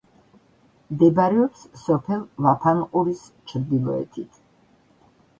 მდებარეობს სოფელ ლაფანყურის ჩრდილოეთით.